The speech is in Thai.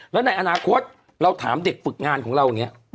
แล้วในอนาคตเราถามเด็กฝึกงานของเราอย่างนี้